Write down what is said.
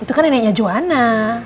itu kan neneknya joana